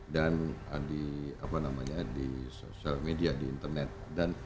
dan di apa namanya di sosial media di internet dan